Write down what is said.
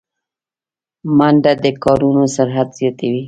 منډه د کارونو سرعت زیاتوي